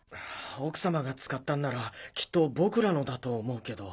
奥様が使ったんならきっと僕らのだと思うけど。